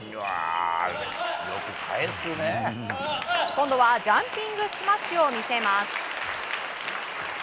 今度はジャンピングスマッシュを見せます。